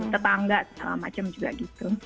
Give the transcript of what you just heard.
tetangga segala macam juga gitu